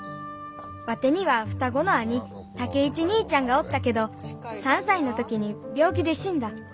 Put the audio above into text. ワテには双子の兄武一兄ちゃんがおったけど３歳の時に病気で死んだ。